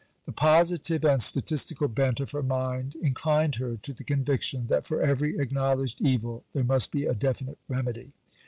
The positive and statistical bent of her mind inclined her to the conviction that for every acknowledged evil there must be a definite remedy.